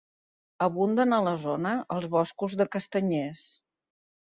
Abunden a la zona els boscos de castanyers.